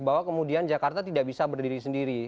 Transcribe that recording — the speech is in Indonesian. bahwa kemudian jakarta tidak bisa berdiri sendiri